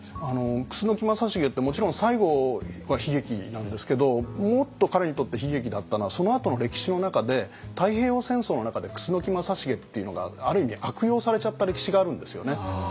楠木正成ってもちろん最後は悲劇なんですけどもっと彼にとって悲劇だったのはそのあとの歴史の中で太平洋戦争の中で楠木正成っていうのがある意味悪用されちゃった歴史があるんですよね。